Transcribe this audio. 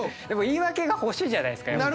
でも言い訳が欲しいじゃないですか。